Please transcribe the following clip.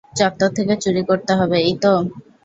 চত্বর থেকে চুরি করতে হবে, এই তো?